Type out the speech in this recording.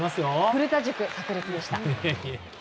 古田塾、炸裂でした。